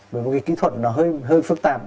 bởi một cái kỹ thuật nó hơi phức tạp